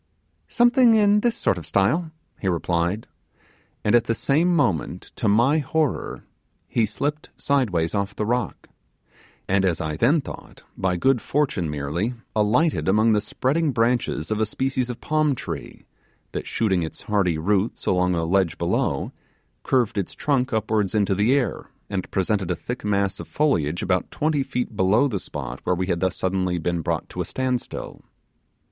'Something in this sort of style,' he replied, and at the same moment to my horror he slipped sideways off the rocks and, as I then thought, by good fortune merely, alighted among the spreading branches of a species of palm tree, that shooting its hardy roots along a ledge below, curved its trunk upwards into the air, and presented a thick mass of foliage about twenty feet below the spot where we had thus suddenly been brought to a standstill.